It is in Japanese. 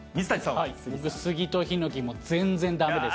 スギとヒノキ、全然だめです。